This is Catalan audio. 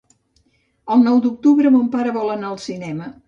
El nou d'octubre mon pare vol anar al cinema.